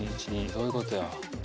どういうことや。